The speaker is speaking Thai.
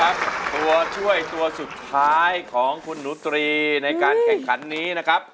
ตัวช่วยตัวสุดท้ายของคุณหนูตรีในการแข่งขันนี้นะครับ